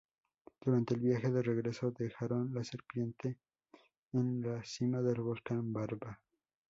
Durante el viaje de regreso, dejaron la serpiente en la cima del volcán Barva.